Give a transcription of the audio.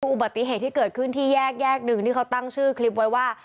อุบัติเหตุที่เกิดขึ้นที่แยกแยกหนึ่งที่เขาตั้งชื่อคลิปไว้ว่า